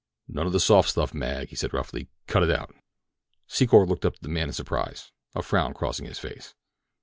"None of the soft stuff, Mag," he said roughly; "cut it out." Secor looked up at the man in surprise, a frown crossing his face.